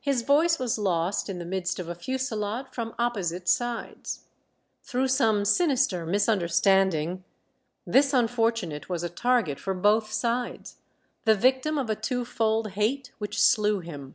His voice was lost in the midst of a fusillade from opposite sides. Through some sinister misunderstanding, this unfortunate was a target for both sides, the victim of a twofold hate which slew him.